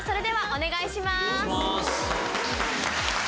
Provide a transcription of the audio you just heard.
お願いします。